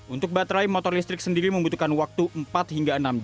untuk baterai motor listrik sendiri kita bisa melihat persentase baterai di speedometer